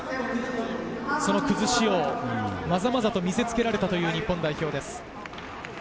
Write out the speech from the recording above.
その崩しをまざまざと見せつけられた日本代表です。